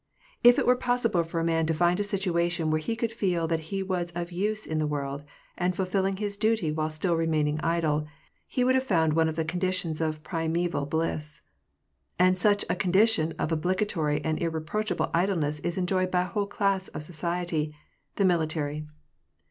If it were possible for a man to find a situation where he could feel that he was of use in the world, and fulfilling his duty while still remain ing idle, he would have found one of the conditions of primeval bliss. And such a condition of obligatory and irreproachable idleness is enjoyed by a whole class of society — the mili tary.